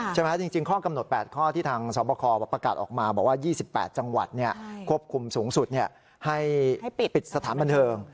จริงข้อกำหนด๘ข้อที่ทางสอบคอประกาศออกมาบอกว่า๒๘จังหวัดควบคุมสูงสุดให้ปิดสถานบันเทิง